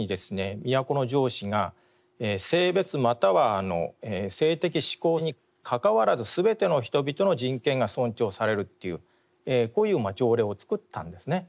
都城市が「性別又は性的指向にかかわらずすべての人々の人権が尊重される」というこういう条例を作ったんですね。